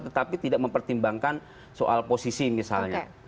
tetapi tidak mempertimbangkan soal posisi misalnya